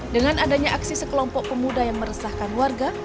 dengan adanya aksi sekelompok pemuda yang meresahkan warga